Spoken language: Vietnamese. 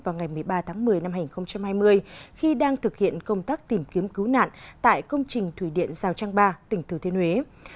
thủ tướng chính phủ đã hy sinh vào ngày một mươi ba tháng một mươi năm hai nghìn hai mươi khi đang thực hiện công tác tìm kiếm cứu nạn tại công trình thủy điện giao trang ba tỉnh thừa thiên huế